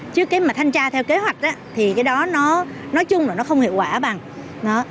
chứ thanh tra theo kế hoạch thì nói chung nó không hiệu quả bằng